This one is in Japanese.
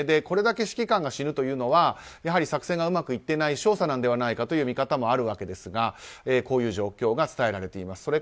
これだけ指揮官が死ぬというのは作戦がうまくいっていない証左なのではないかという見方もあるわけですがこういう状況が伝えられています。